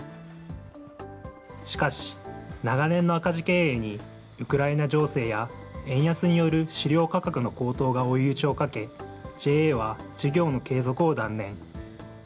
しかし、長年の赤字経営に、ウクライナ情勢や円安による飼料価格の高騰が追い打ちをかけ、ＪＡは事業の継続を断念。